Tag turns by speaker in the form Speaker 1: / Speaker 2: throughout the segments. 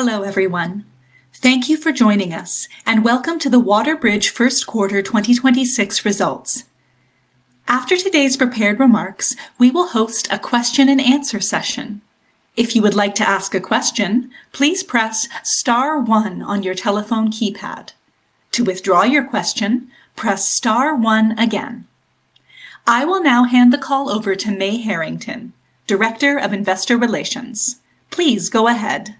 Speaker 1: Hello, everyone. Thank you for joining us. Welcome to the WaterBridge first quarter 2026 results. After today's prepared remarks, we will host a question and answer session. If you would like to ask a question, please press star one on your telephone keypad. To withdraw your question, press star one again. I will now hand the call over to Mae Herrington, Director of Investor Relations. Please go ahead.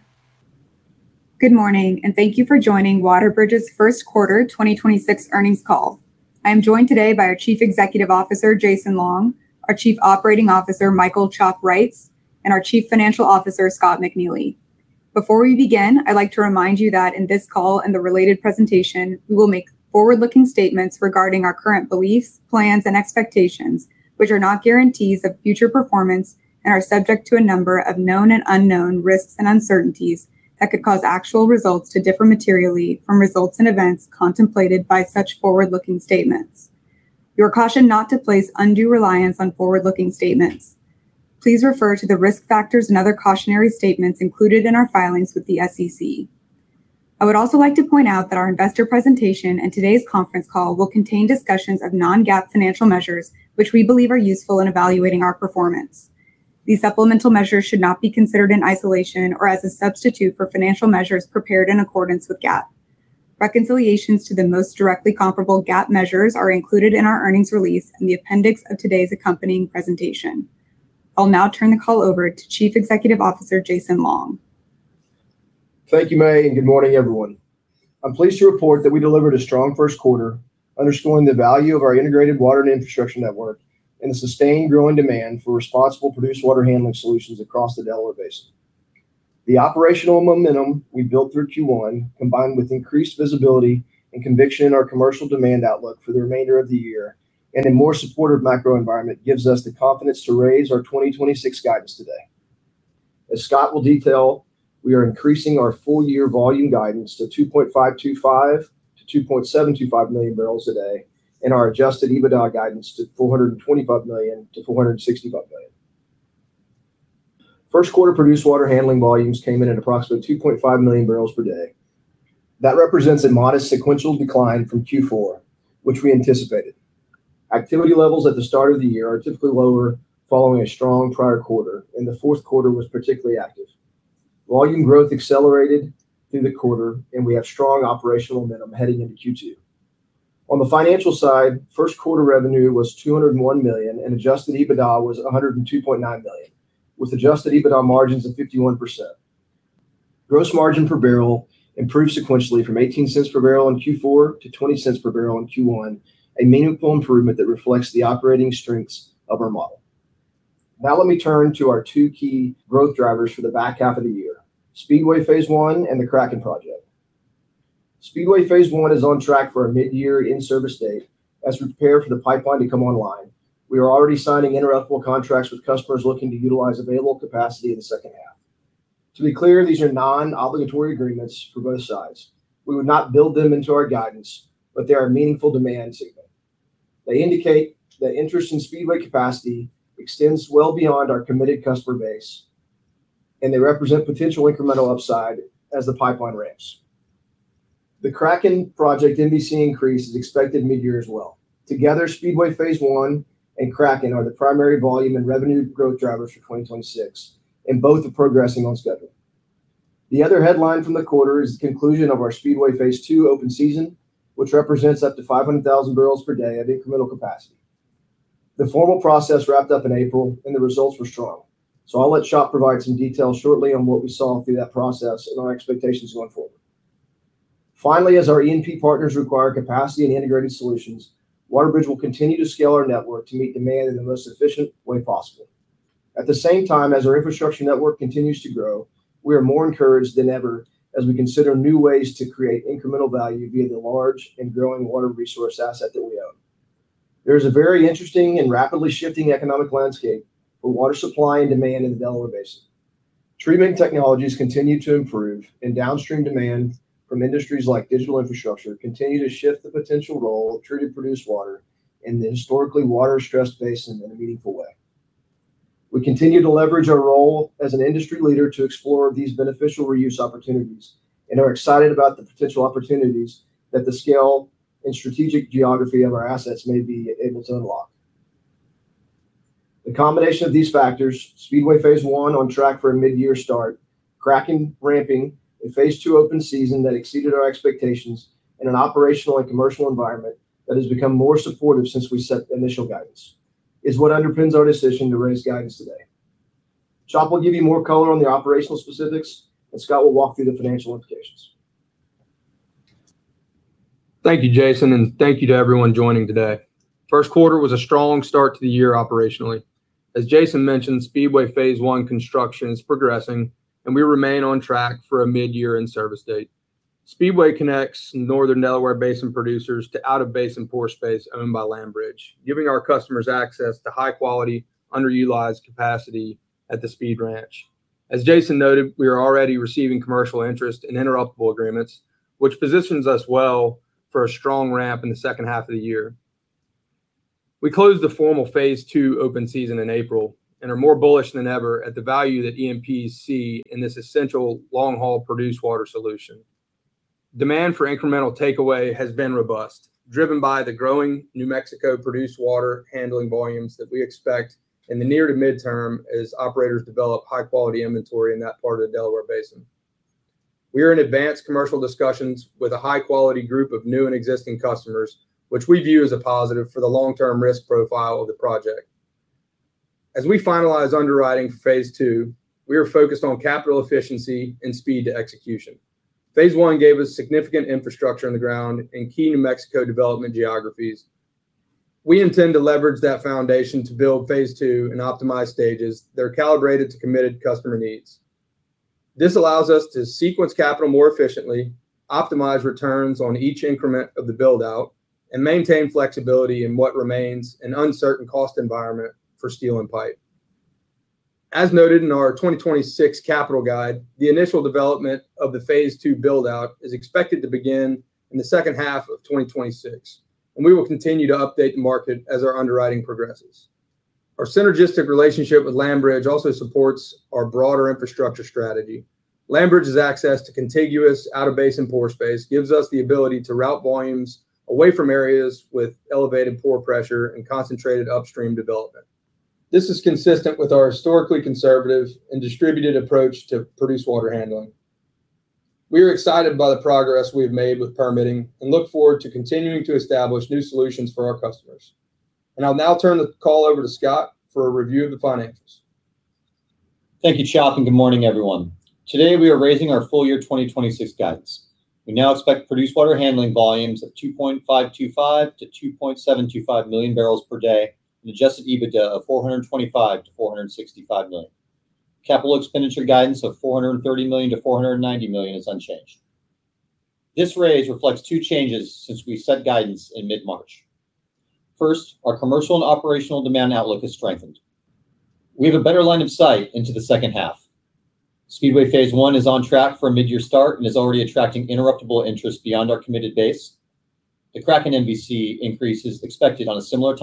Speaker 2: Good morning, thank you for joining WaterBridge's first quarter 2026 earnings call. I am joined today by our Chief Executive Officer, Jason Long, our Chief Operating Officer, Michael "Chop" Reitz, and our Chief Financial Officer, Scott McNeely. Before we begin, I'd like to remind you that in this call and the related presentation, we will make forward-looking statements regarding our current beliefs, plans, and expectations, which are not guarantees of future performance and are subject to a number of known and unknown risks and uncertainties that could cause actual results to differ materially from results and events contemplated by such forward-looking statements. You are cautioned not to place undue reliance on forward-looking statements. Please refer to the risk factors and other cautionary statements included in our filings with the SEC. I would also like to point out that our investor presentation and today's conference call will contain discussions of non-GAAP financial measures which we believe are useful in evaluating our performance. These supplemental measures should not be considered in isolation or as a substitute for financial measures prepared in accordance with GAAP. Reconciliations to the most directly comparable GAAP measures are included in our earnings release in the appendix of today's accompanying presentation. I'll now turn the call over to Chief Executive Officer, Jason Long.
Speaker 3: Thank you, Mae. Good morning, everyone. I'm pleased to report that we delivered a strong first quarter, underscoring the value of our integrated water and infrastructure network and the sustained growing demand for responsible produced water handling solutions across the Delaware Basin. The operational momentum we built through Q1, combined with increased visibility and conviction in our commercial demand outlook for the remainder of the year and a more supportive macro environment, gives us the confidence to raise our 2026 guidance today. As Scott will detail, we are increasing our full year volume guidance to 2.525 million-2.725 million barrels a day and our adjusted EBITDA guidance to $425 million-$465 million. 1st quarter produced water handling volumes came in at approximately 2.5 million barrels per day. That represents a modest sequential decline from Q4, which we anticipated. Activity levels at the start of the year are typically lower following a strong prior quarter, and the fourth quarter was particularly active. Volume growth accelerated through the quarter, and we have strong operational momentum heading into Q2. On the financial side, first quarter revenue was $201 million, and adjusted EBITDA was $102.9 million, with adjusted EBITDA margins of 51%. Gross margin per barrel improved sequentially from $0.18 per barrel in Q4 to $0.20 per barrel in Q1, a meaningful improvement that reflects the operating strengths of our model. Let me turn to our two key growth drivers for the back half of the year, Speedway Phase One and the Kraken Project. Speedway Phase One is on track for a mid-year in-service date as we prepare for the pipeline to come online. We are already signing interruptible contracts with customers looking to utilize available capacity in the second half. To be clear, these are non-obligatory agreements for both sides. We would not build them into our guidance, but they are a meaningful demand signal. They indicate that interest in Speedway capacity extends well beyond our committed customer base, and they represent potential incremental upside as the pipeline ramps. The Kraken Project MVC increase is expected mid-year as well. Together, Speedway Phase One and Kraken are the primary volume and revenue growth drivers for 2026, and both are progressing on schedule. The other headline from the quarter is the conclusion of our Speedway Phase Two open season, which represents up to 500,000 barrels per day of incremental capacity. The formal process wrapped up in April, and the results were strong. I'll let Chop provide some details shortly on what we saw through that process and our expectations going forward. Finally, as our E&P partners require capacity and integrated solutions, WaterBridge will continue to scale our network to meet demand in the most efficient way possible. At the same time as our infrastructure network continues to grow, we are more encouraged than ever as we consider new ways to create incremental value via the large and growing water resource asset that we own. There is a very interesting and rapidly shifting economic landscape for water supply and demand in the Delaware Basin. Treatment technologies continue to improve, and downstream demand from industries like digital infrastructure continue to shift the potential role of treated produced water in the historically water-stressed basin in a meaningful way. We continue to leverage our role as an industry leader to explore these beneficial reuse opportunities and are excited about the potential opportunities that the scale and strategic geography of our assets may be able to unlock. The combination of these factors, Speedway Phase One on track for a mid-year start, Kraken ramping, a Phase Two open season that exceeded our expectations, and an operational and commercial environment that has become more supportive since we set initial guidance, is what underpins our decision to raise guidance today. Chop will give you more color on the operational specifics, and Scott will walk through the financial implications.
Speaker 4: Thank you, Jason, and thank you to everyone joining today. First quarter was a strong start to the year operationally. As Jason mentioned, Speedway Phase One construction is progressing, and we remain on track for a mid-year in-service date. Speedway connects northern Delaware Basin producers to out-of-basin pore space owned by LandBridge, giving our customers access to high-quality, underutilized capacity at the Speed Ranch. As Jason noted, we are already receiving commercial interest in interruptible agreements, which positions us well for a strong ramp in the second half of the year. We closed the formal Phase Two open season in April and are more bullish than ever at the value that E&Ps see in this essential long-haul produced water solution. Demand for incremental takeaway has been robust, driven by the growing New Mexico produced water handling volumes that we expect in the near to midterm as operators develop high-quality inventory in that part of the Delaware Basin. We are in advanced commercial discussions with a high-quality group of new and existing customers, which we view as a positive for the long-term risk profile of the project. As we finalize underwriting for Phase Two, we are focused on capital efficiency and speed to execution. Phase One gave us significant infrastructure on the ground in key New Mexico development geographies. We intend to leverage that foundation to build Phase Two in optimized stages that are calibrated to committed customer needs. This allows us to sequence capital more efficiently, optimize returns on each increment of the build-out, and maintain flexibility in what remains an uncertain cost environment for steel and pipe. As noted in our 2026 capital guide, the initial development of the Phase Two build-out is expected to begin in the second half of 2026. We will continue to update the market as our underwriting progresses. Our synergistic relationship with LandBridge also supports our broader infrastructure strategy. LandBridge's access to contiguous out-of-basin pore space gives us the ability to route volumes away from areas with elevated pore pressure and concentrated upstream development. This is consistent with our historically conservative and distributed approach to produced water handling. We are excited by the progress we have made with permitting and look forward to continuing to establish new solutions for our customers. I'll now turn the call over to Scott for a review of the financials.
Speaker 5: Thank you, Chop, and good morning, everyone. Today, we are raising our full-year 2026 guidance. We now expect produced water handling volumes of 2.525 million-2.725 million barrels per day and adjusted EBITDA of $425 million-$465 million. Capital expenditure guidance of $430 million-$490 million is unchanged. This raise reflects two changes since we set guidance in mid-March. First, our commercial and operational demand outlook has strengthened. We have a better line of sight into the second half. Speedway Phase One is on track for a mid-year start and is already attracting interruptible interest beyond our committed base. The Kraken MVC increase is expected on a similar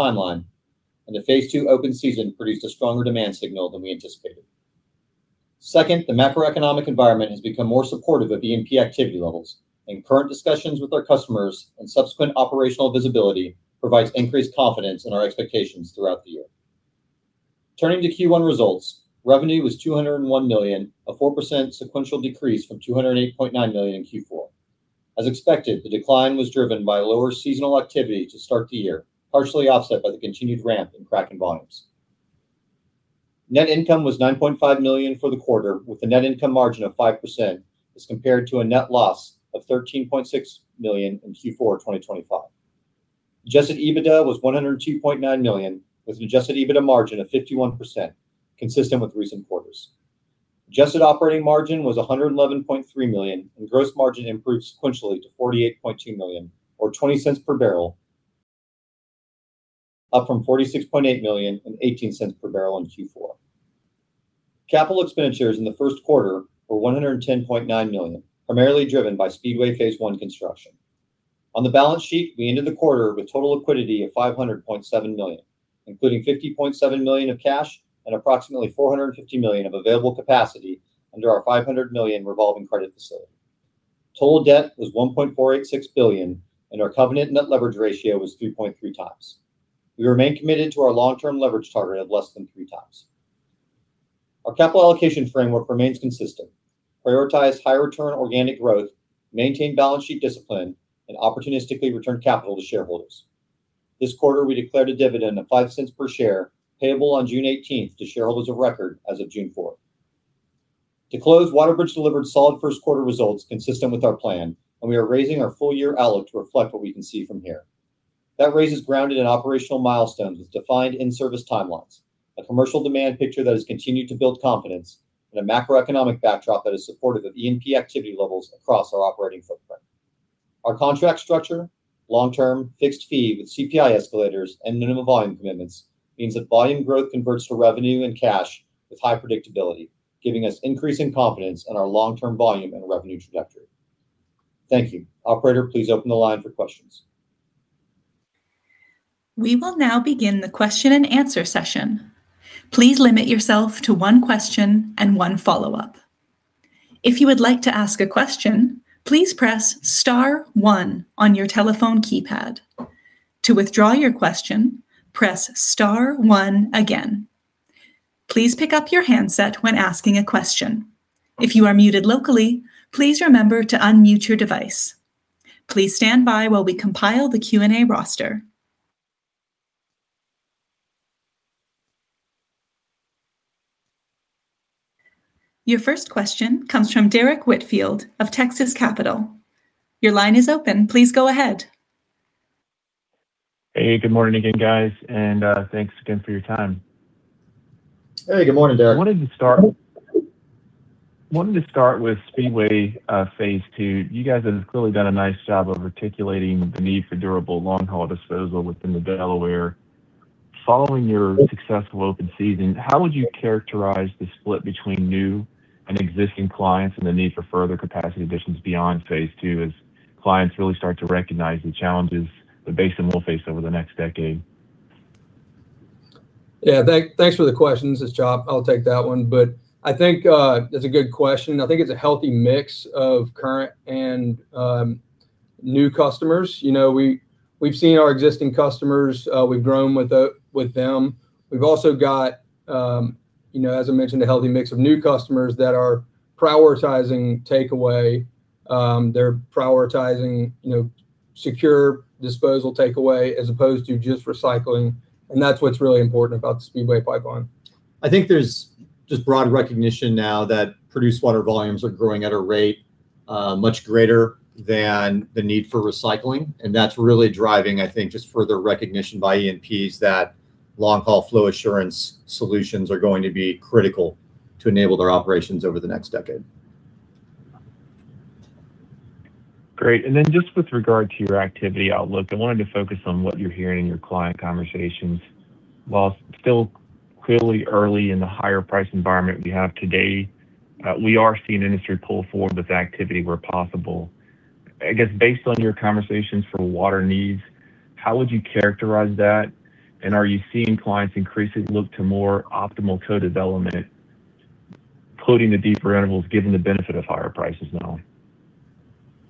Speaker 5: timeline, and the Phase Two open season produced a stronger demand signal than we anticipated. Second, the macroeconomic environment has become more supportive of E&P activity levels, and current discussions with our customers and subsequent operational visibility provides increased confidence in our expectations throughout the year. Turning to Q1 results, revenue was $201 million, a 4% sequential decrease from $208.9 million in Q4. As expected, the decline was driven by lower seasonal activity to start the year, partially offset by the continued ramp in Kraken volumes. Net income was $9.5 million for the quarter, with a net income margin of 5% as compared to a net loss of $13.6 million in Q4 2025. Adjusted EBITDA was $102.9 million, with an adjusted EBITDA margin of 51%, consistent with recent quarters. Adjusted operating margin was $111.3 million, and gross margin improved sequentially to $48.2 million, or $0.20 per barrel, up from $46.8 million and $0.18 per barrel in Q4. Capital expenditures in the first quarter were $110.9 million, primarily driven by Speedway Phase One construction. On the balance sheet, we ended the quarter with total liquidity of $500.7 million, including $50.7 million of cash and approximately $450 million of available capacity under our $500 million revolving credit facility. Total debt was $1.486 billion, and our covenant net leverage ratio was 3.3x. We remain committed to our long-term leverage target of less than 3x. Our capital allocation framework remains consistent. Prioritize high-return organic growth, maintain balance sheet discipline, and opportunistically return capital to shareholders. This quarter, we declared a dividend of $0.05 per share, payable on June 18th to shareholders of record as of June 4th. To close, WaterBridge delivered solid 1st quarter results consistent with our plan, and we are raising our full-year outlook to reflect what we can see from here. That raise is grounded in operational milestones with defined in-service timelines, a commercial demand picture that has continued to build confidence, and a macroeconomic backdrop that is supportive of E&P activity levels across our operating footprint. Our contract structure, long-term fixed fee with CPI escalators and Minimum Volume Commitments, means that volume growth converts to revenue and cash with high predictability, giving us increasing confidence in our long-term volume and revenue trajectory. Thank you. Operator, please open the line for questions.
Speaker 1: Your first question comes from Derrick Whitfield of Texas Capital. Your line is open. Please go ahead.
Speaker 6: Hey, good morning again, guys, and thanks again for your time.
Speaker 5: Hey, good morning, Derrick.
Speaker 6: I wanted to start with Speedway Phase Two. You guys have clearly done a nice job of articulating the need for durable long-haul disposal within the Delaware. Following your successful open season, how would you characterize the split between new and existing clients and the need for further capacity additions beyond Phase Two as clients really start to recognize the challenges the basin will face over the next decade?
Speaker 4: Yeah, thank, thanks for the questions. This is Chop. I'll take that one. I think that's a good question. I think it's a healthy mix of current and new customers. You know, we've seen our existing customers, we've grown with them. We've also got, you know, as I mentioned, a healthy mix of new customers that are prioritizing takeaway. They're prioritizing, you know, secure disposal takeaway as opposed to just recycling, and that's what's really important about the Speedway Pipeline.
Speaker 5: I think there's just broad recognition now that produced water volumes are growing at a rate much greater than the need for recycling, and that's really driving, I think, just further recognition by E&Ps that long-haul flow assurance solutions are going to be critical to enable their operations over the next decade.
Speaker 6: Great, then just with regard to your activity outlook, I wanted to focus on what you're hearing in your client conversations. While it's still clearly early in the higher price environment we have today, we are seeing industry pull forward with activity where possible. I guess, based on your conversations for water needs, how would you characterize that? Are you seeing clients increasingly look to more optimal co-development, including the deeper intervals, given the benefit of higher prices now?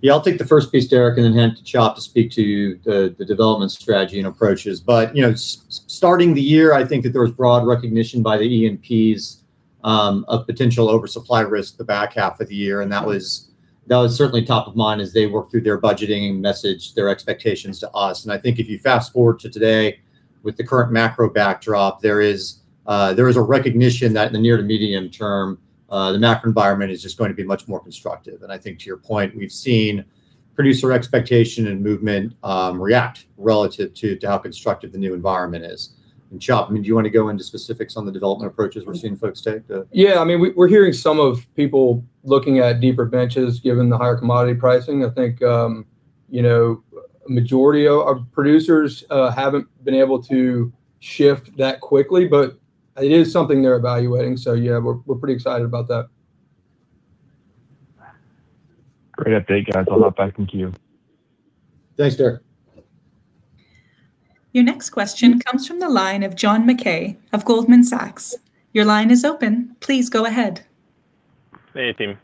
Speaker 5: Yeah, I'll take the first piece, Derrick, then hand to Chop to speak to the development strategy and approaches. You know, starting the year, I think that there was broad recognition by the E&Ps of potential oversupply risk the back half of the year, that was certainly top of mind as they worked through their budgeting and messaged their expectations to us. I think if you fast-forward to today, with the current macro backdrop, there is a recognition that in the near to medium term, the macro environment is just going to be much more constructive. I think to your point, we've seen producer expectation and movement react relative to how constructive the new environment is. Chop, I mean, do you want to go into specifics on the development approaches we're seeing folks take to.
Speaker 4: Yeah, I mean, we're hearing some of people looking at deeper benches given the higher commodity pricing. I think, you know, majority of our producers haven't been able to shift that quickly, but it is something they're evaluating. Yeah, we're pretty excited about that.
Speaker 6: Great update, guys. I'll hop back into queue.
Speaker 5: Thanks, Derrick.
Speaker 1: Your next question comes from the line of John Mackay of Goldman Sachs. Your line is open. Please go ahead.
Speaker 7: Hey, team.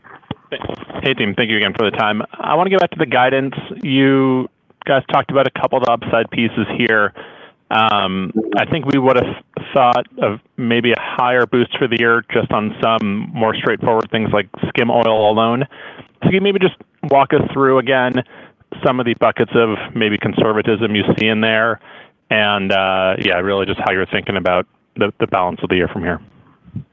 Speaker 7: Thank you again for the time. I want to go back to the guidance. You guys talked about a couple of the upside pieces here. I think we would've thought of maybe a higher boost for the year just on some more straightforward things like skim oil alone. Can you maybe just walk us through again some of the buckets of maybe conservatism you see in there and really just how you're thinking about the balance of the year from here?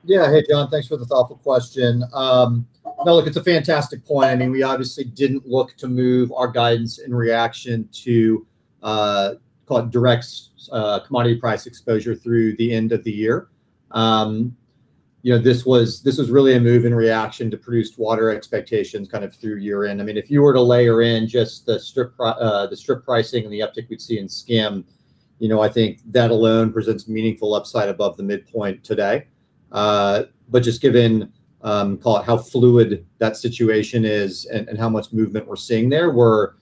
Speaker 5: Yeah. Hey, John. Thanks for the thoughtful question. No, look, it's a fantastic point. I mean, we obviously didn't look to move our guidance in reaction to, call it direct commodity price exposure through the end of the year. You know, this was really a move and reaction to produced water expectations kind of through year-end. I mean, if you were to layer in just the strip pricing and the uptick we'd see in skim, you know, I think that alone presents meaningful upside above the midpoint today. Just given, call it how fluid that situation is and how much movement we're seeing there, we're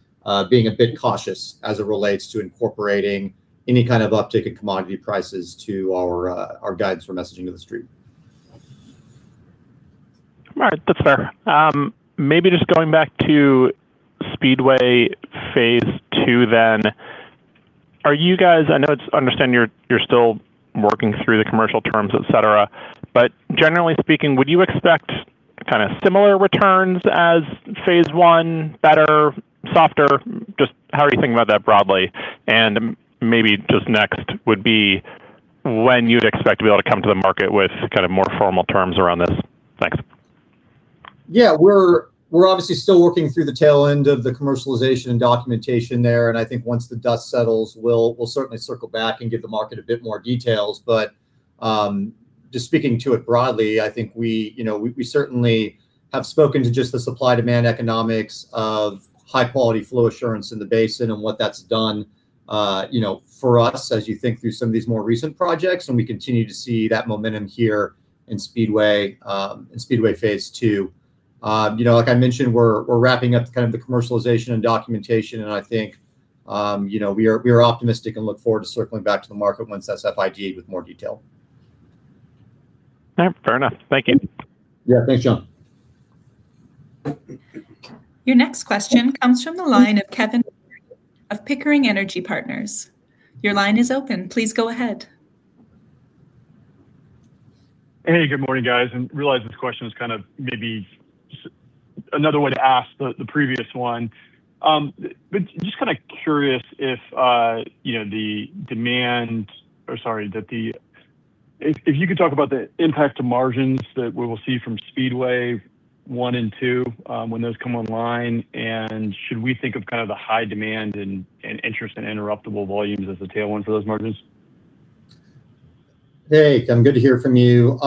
Speaker 5: being a bit cautious as it relates to incorporating any kind of uptick in commodity prices to our guides for messaging to the street.
Speaker 7: All right. That's fair. Maybe just going back to Speedway Phase Two then, I understand you're still working through the commercial terms, et cetera, but generally speaking, would you expect kind of similar returns as Speedway Phase One, better, softer? Just how are you thinking about that broadly? Maybe just next would be when you'd expect to be able to come to the market with kind of more formal terms around this. Thanks.
Speaker 5: Yeah. We're obviously still working through the tail end of the commercialization and documentation there, and I think once the dust settles, we'll certainly circle back and give the market a bit more details. Just speaking to it broadly, I think we, you know, we certainly have spoken to just the supply-demand economics of high-quality flow assurance in the basin and what that's done, you know, for us as you think through some of these more recent projects, and we continue to see that momentum here in Speedway, in Speedway Phase Two. You know, like I mentioned, we're wrapping up kind of the commercialization and documentation, and I think, you know, we are optimistic and look forward to circling back to the market once that's FID-ed with more detail.
Speaker 7: All right. Fair enough. Thank you.
Speaker 5: Yeah. Thanks, John.
Speaker 1: Your next question comes from the line of Kevin MacCurdy of Pickering Energy Partners. Your line is open. Please go ahead.
Speaker 8: Hey, good morning, guys, realize this question is kind of maybe another way to ask the previous one. Just kind of curious if, you know, if you could talk about the impact to margins that we will see from Speedway One and Two when those come online, and should we think of kind of the high demand and interest in interruptible volumes as a tailwind for those margins?
Speaker 5: Hey, I'm good to hear from you.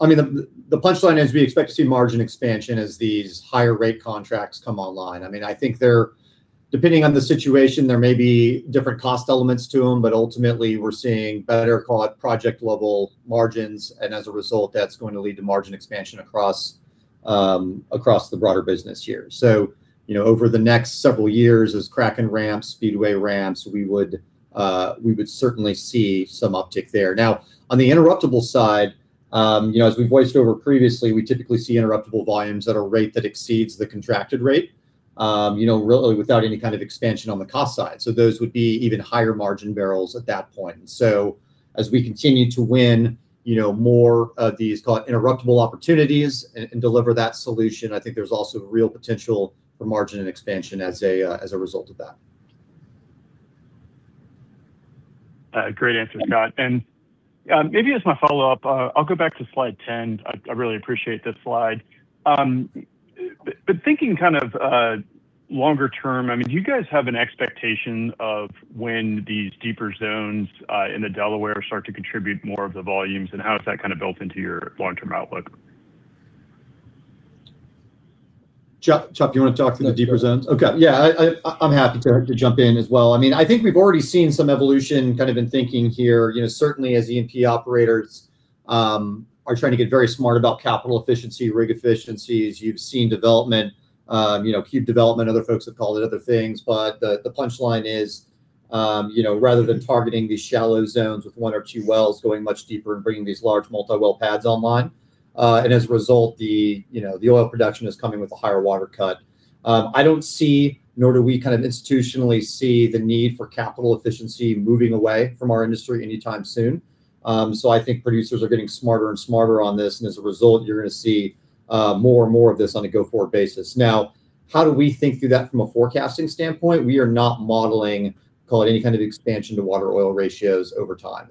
Speaker 5: I mean, the punchline is we expect to see margin expansion as these higher rate contracts come online. I mean, I think they're depending on the situation, there may be different cost elements to them, but ultimately we're seeing better call it project level margins, and as a result, that's going to lead to margin expansion across the broader business here. You know, over the next several years as Kraken ramps, Speedway ramps, we would certainly see some uptick there. On the interruptible side, you know, as we've voiced over previously, we typically see interruptible volumes at a rate that exceeds the contracted rate, you know, really without any kind of expansion on the cost side. Those would be even higher margin barrels at that point. As we continue to win, you know, more of these call it interruptible contracts and deliver that solution, I think there's also real potential for margin and expansion as a result of that.
Speaker 8: Great answer, Scott. Maybe as my follow-up, I'll go back to slide 10. I really appreciate this slide. But thinking kind of longer term, I mean, do you guys have an expectation of when these deeper zones in the Delaware start to contribute more of the volumes? How is that kind of built into your long-term outlook?
Speaker 5: Chop, do you want to talk to the deeper zones?
Speaker 4: No. Go for it.
Speaker 5: Okay. Yeah. I'm happy to jump in as well. I mean, I think we've already seen some evolution kind of in thinking here, you know, certainly as E&P operators are trying to get very smart about capital efficiency, rig efficiencies. You've seen development, you know, cube development, other folks have called it other things. The punchline is, you know, rather than targeting these shallow zones with one or twi wells going much deeper and bringing these large multi-well pads online, and as a result the, you know, the oil production is coming with a higher water cut. I don't see, nor do we kind of institutionally see the need for capital efficiency moving away from our industry anytime soon. I think producers are getting smarter and smarter on this, and as a result, you're gonna see more and more of this on a go-forward basis. Now, how do we think through that from a forecasting standpoint? We are not modeling, call it any kind of expansion to water-oil ratios over time.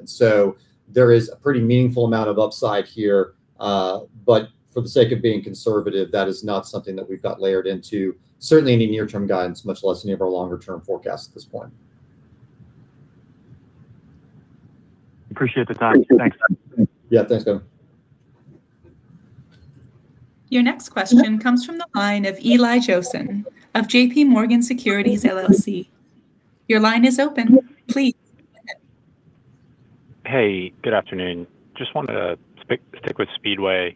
Speaker 5: There is a pretty meaningful amount of upside here. But for the sake of being conservative, that is not something that we've got layered into certainly any near-term guidance, much less any of our longer term forecast at this point.
Speaker 8: Appreciate the time. Thanks.
Speaker 5: Yeah. Thanks, Kevin.
Speaker 1: Your next question comes from the line of Eli Jossen of JPMorgan Securities LLC. Your line is open. Please go ahead.
Speaker 9: Hey, good afternoon. Just wanted to stick with Speedway.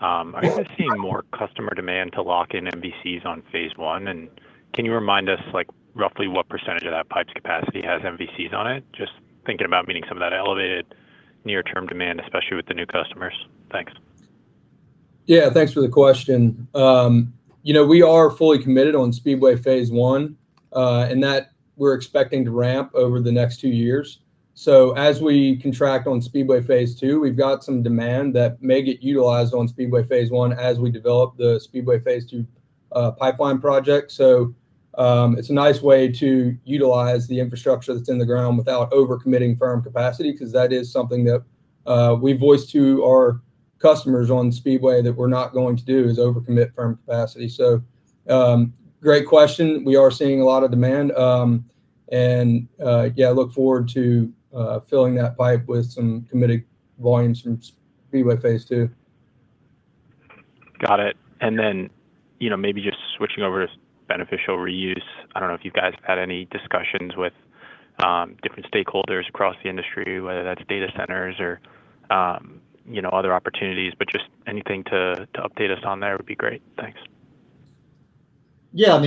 Speaker 9: I know we're seeing more customer demand to lock in MVCs on Phase One. Can you remind us, like, roughly what percentage of that pipe's capacity has MVCs on it? Just thinking about meeting some of that elevated near-term demand, especially with the new customers. Thanks.
Speaker 4: Thanks for the question. You know, we are fully committed on Speedway Phase One, and that we're expecting to ramp over the next two years. As we contract on Speedway Phase Two, we've got some demand that may get utilized on Speedway Phase One as we develop the Speedway Phase Two pipeline project. It's a nice way to utilize the infrastructure that's in the ground without over-committing firm capacity, because that is something that we voiced to our customers on Speedway that we're not going to do, is over-commit firm capacity. Great question. We are seeing a lot of demand. Look forward to filling that pipe with some committed volumes from Speedway Phase Two.
Speaker 9: Got it. Then, you know, maybe just switching over to beneficial reuse. I don't know if you guys have had any discussions with different stakeholders across the industry, whether that's data centers or, you know, other opportunities, but just anything to update us on there would be great. Thanks.
Speaker 5: Yeah. I mean,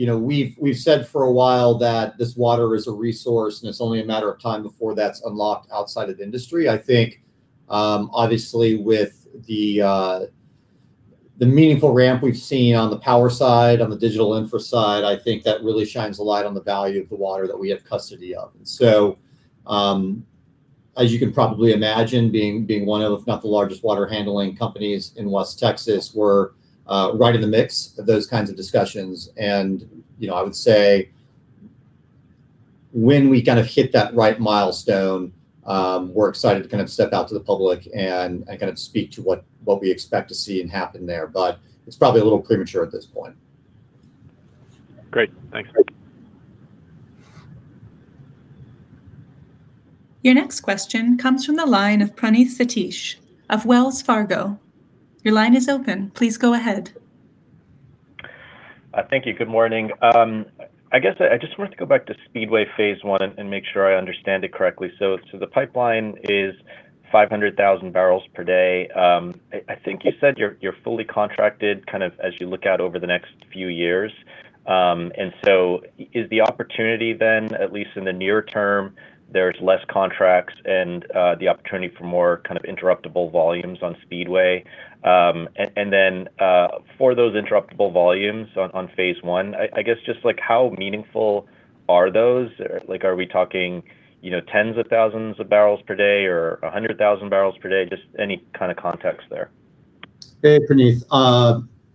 Speaker 5: you know, we've said for a while that this water is a resource and it's only a matter of time before that's unlocked outside of the industry. I think, obviously with the meaningful ramp we've seen on the power side, on the digital infra side, I think that really shines a light on the value of the water that we have custody of. As you can probably imagine, being one of, if not the largest water handling companies in West Texas, we're right in the mix of those kinds of discussions. You know, I would say when we kind of hit that right milestone, we're excited to kind of step out to the public and kind of speak to what we expect to see and happen there. It's probably a little premature at this point.
Speaker 9: Great. Thanks.
Speaker 1: Your next question comes from the line of Praneeth Satish of Wells Fargo. Your line is open. Please go ahead.
Speaker 10: Thank you. Good morning. I guess I just wanted to go back to Speedway Phase One and make sure I understand it correctly. The pipeline is 500,000 barrels per day. I think you said you're fully contracted kind of as you look out over the next few years. Is the opportunity then, at least in the near term, there's less contracts and the opportunity for more kind of interruptible volumes on Speedway? For those interruptible volumes on Phase One, I guess just like how meaningful are those? Like, are we talking, you know, tens of thousands of barrels per day or 100,000 barrels per day? Just any kind of context there.
Speaker 5: Hey, Praneeth.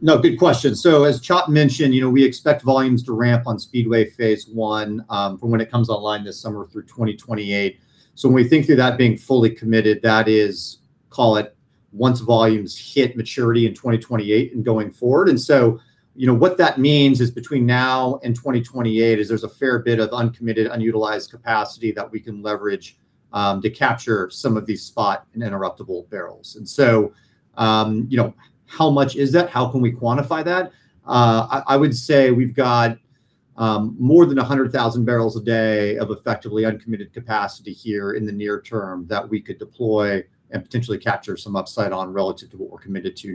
Speaker 5: No, good question. As Chop mentioned, you know, we expect volumes to ramp on Speedway Phase One from when it comes online this summer through 2028. When we think through that being fully committed, that is, call it, once volumes hit maturity in 2028 and going forward. You know, what that means is between now and 2028 is there's a fair bit of uncommitted, unutilized capacity that we can leverage to capture some of these spot and interruptible barrels. You know, how much is that? How can we quantify that? I would say we've got more than 100,000 barrels a day of effectively uncommitted capacity here in the near term that we could deploy and potentially capture some upside on relative to what we're committed to.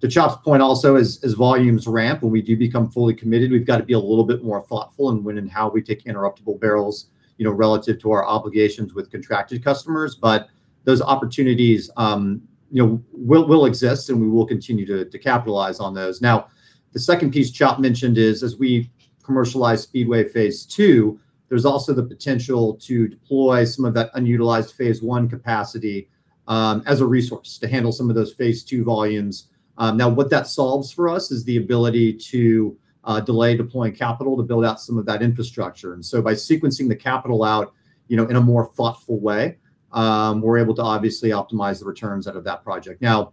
Speaker 5: To Chop's point also, as volumes ramp, when we do become fully committed, we've got to be a little bit more thoughtful in when and how we take interruptible barrels, you know, relative to our obligations with contracted customers. Those opportunities, you know, will exist, and we will continue to capitalize on those. The second piece Chop mentioned is as we commercialize Speedway Phase Two, there's also the potential to deploy some of that unutilized Phase one capacity as a resource to handle some of those Phase two volumes. Now what that solves for us is the ability to delay deploying capital to build out some of that infrastructure. By sequencing the capital out, you know, in a more thoughtful way, we're able to obviously optimize the returns out of that project. To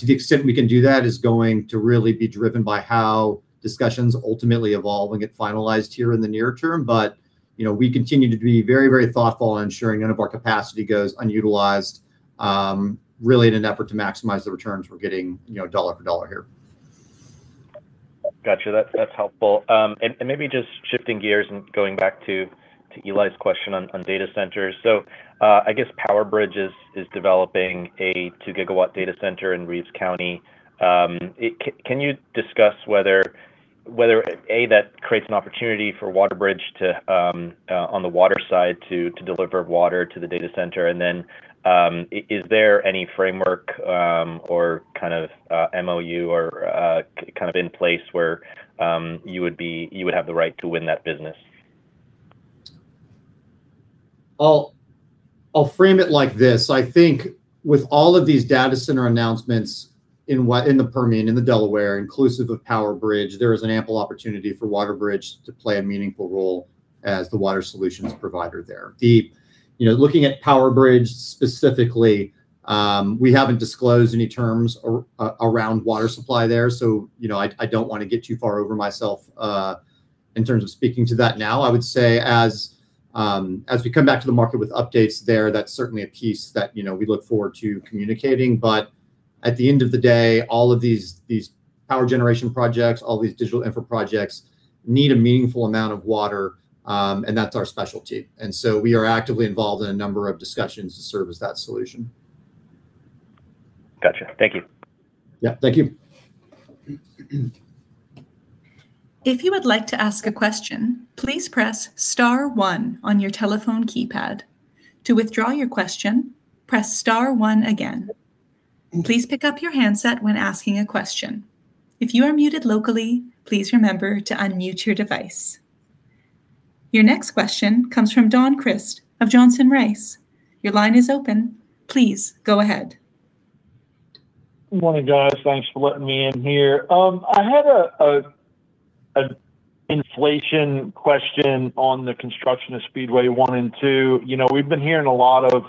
Speaker 5: the extent we can do that is going to really be driven by how discussions ultimately evolve and get finalized here in the near term. You know, we continue to be very, very thoughtful in ensuring none of our capacity goes unutilized, really in an effort to maximize the returns we're getting, you know, dollar for dollar here.
Speaker 10: Gotcha. That's helpful. Maybe just shifting gears and going back to Eli's question on data centers. I guess PowerBridge is developing a 2 GW data center in Reeves County. Can you discuss whether, A, that creates an opportunity for WaterBridge to on the water side to deliver water to the data center? Is there any framework, or kind of MOU or kind of in place where you would have the right to win that business?
Speaker 5: I'll frame it like this. I think with all of these data center announcements in what, in the Permian, in the Delaware, inclusive of PowerBridge, there is an ample opportunity for WaterBridge to play a meaningful role as the water solutions provider there. You know, looking at PowerBridge specifically, we haven't disclosed any terms around water supply there, so, you know, I don't wanna get too far over myself in terms of speaking to that now. I would say as we come back to the market with updates there, that's certainly a piece that, you know, we look forward to communicating. At the end of the day, all of these power generation projects, all these digital infra projects need a meaningful amount of water, and that's our specialty. We are actively involved in a number of discussions to serve as that solution.
Speaker 10: Gotcha. Thank you.
Speaker 5: Yeah. Thank you.
Speaker 1: Your next question comes from Don Crist of Johnson Rice. Your line is open. Please go ahead.
Speaker 11: Good morning, guys. Thanks for letting me in here. I had a inflation question on the construction of Speedway One and Two. You know, we've been hearing a lot of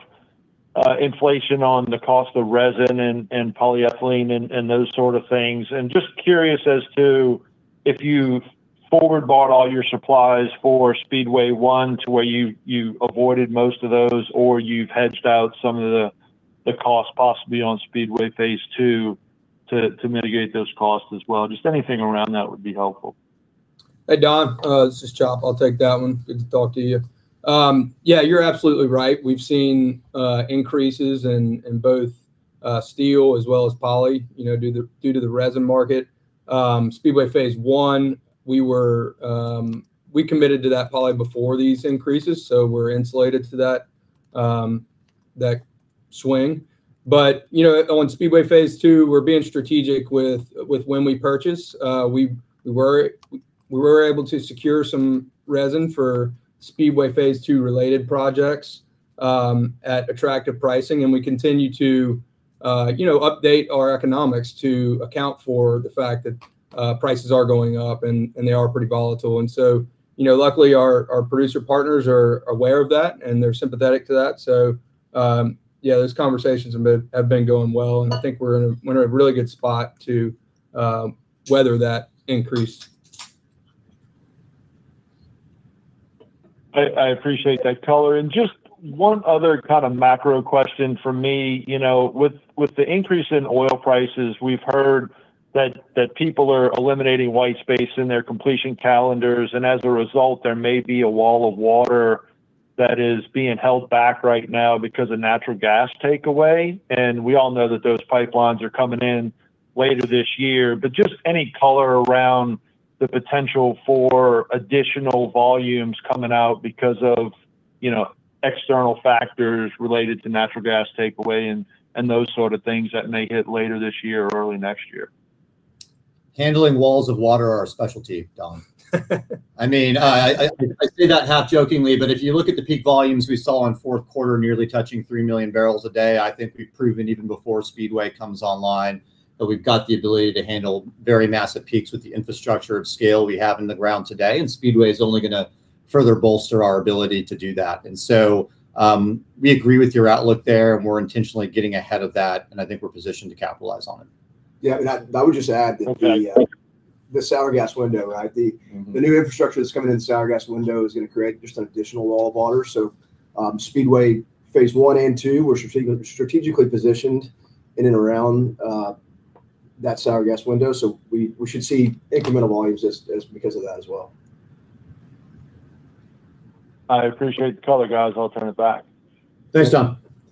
Speaker 11: inflation on the cost of resin and polyethylene and those sort of things. Just curious as to if you've forward bought all your supplies for Speedway One to where you avoided most of those, or you've hedged out some of the cost possibly on Speedway Phase Two to mitigate those costs as well. Just anything around that would be helpful.
Speaker 4: Hey, Don. This is Chop. I'll take that one. Good to talk to you. Yeah, you're absolutely right. We've seen increases in both steel as well as poly, you know, due to the resin market. Speedway Phase One, we committed to that poly before these increases. We're insulated to that swing. You know, on Speedway Phase Two, we're being strategic with when we purchase. We were able to secure some resin for Speedway Phase Two-related projects at attractive pricing. We continue to, you know, update our economics to account for the fact that prices are going up and they are pretty volatile. You know, luckily our producer partners are aware of that, and they're sympathetic to that. Yeah, those conversations have been going well, and I think we're in a really good spot to weather that increase.
Speaker 11: I appreciate that color. Just one other kind of macro question from me. You know, with the increase in oil prices, we've heard that people are eliminating white space in their completion calendars, and as a result, there may be a wall of water that is being held back right now because of natural gas takeaway. We all know that those pipelines are coming in later this year. But just any color around the potential for additional volumes coming out because of, you know, external factors related to natural gas takeaway and those sort of things that may hit later this year or early next year.
Speaker 5: Handling walls of water are our specialty, Don. I mean, I say that half jokingly, but if you look at the peak volumes we saw in fourth quarter nearly touching 3 million barrels a day, I think we've proven even before Speedway comes online that we've got the ability to handle very massive peaks with the infrastructure of scale we have in the ground today, and Speedway is only gonna further bolster our ability to do that. We agree with your outlook there, and we're intentionally getting ahead of that, and I think we're positioned to capitalize on it.
Speaker 4: Yeah, I would just add that.
Speaker 11: Okay. Thank you.
Speaker 4: the sour gas window, right? The new infrastructure that's coming in the sour gas window is gonna create just an additional wall of water. Speedway Phase One and Two, we're strategically positioned in and around that sour gas window. We should see incremental volumes as because of that as well.
Speaker 11: I appreciate the color, guys. I'll turn it back.
Speaker 5: Thanks, Don.